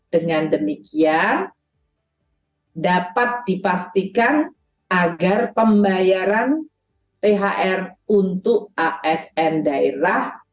dengan demikian dapat dipastikan agar pembayaran thr untuk asn daerah